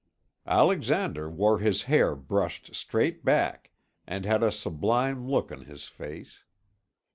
Alexandre wore his hair brushed straight back, and had a sublime look on his face.